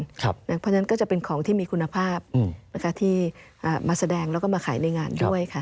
เพราะฉะนั้นก็จะเป็นของที่มีคุณภาพที่มาแสดงแล้วก็มาขายในงานด้วยค่ะ